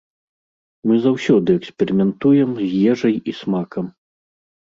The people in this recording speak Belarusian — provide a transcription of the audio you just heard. Мы заўсёды эксперыментуем з ежай і смакам.